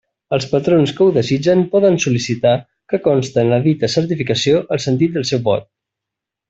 Els patrons que ho desitgen poden sol·licitar que conste en la dita certificació el sentit del seu vot.